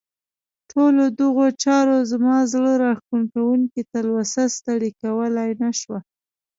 ټولو دغو چارو زما زړه راښکونکې تلوسه ستړې کولای نه شوه.